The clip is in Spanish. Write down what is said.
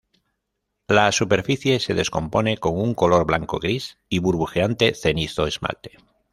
La superficie se descompone con un color blanco-gris y burbujeante cenizo-esmalte.